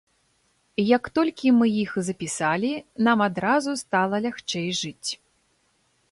Як толькі мы іх запісалі, нам адразу стала лягчэй жыць.